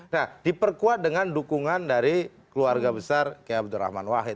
nah diperkuat dengan dukungan dari keluarga besar kayak abdurrahman wahid